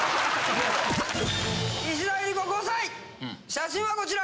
写真はこちら。